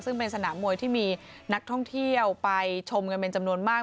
ซึ่งเป็นสนามมวยที่มีนักท่องเที่ยวไปชมกันเป็นจำนวนมาก